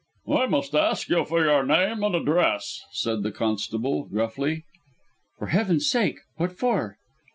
"I must ask you for your name and address," said the constable, gruffly. "For Heaven's sake! what for?"